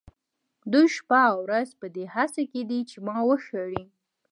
دوی شپه او ورځ په دې هڅه کې دي چې ما وشړي.